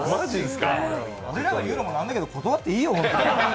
俺が言うのもなんだけど断ってもいいよ！